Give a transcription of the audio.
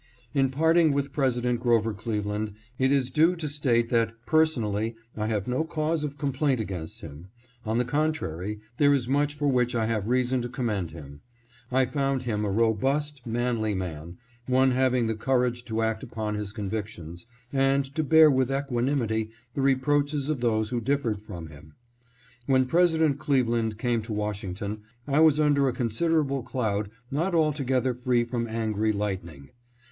In parting with President Grover Cleveland, it is due to state that, personally, I have no cause of complaint against him. On the contrary, there is much for which I have reason to commend him. I found him a robust, ESTIMATE OF CLEVELAND'S CHARACTER. 647 manly man, one having the courage to act upon his con victions, and to bear with equanimity the reproaches of those who differed from him. When President Cleve land came to Washington, I was under a considerable cloud not altogether free from angry lightning.